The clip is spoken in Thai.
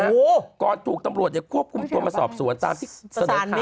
โหก่อนถูกตำรวจเนี่ยควบคุมตัวมาสอบสวนตามที่เสนอข่าวไปทั้งนั้น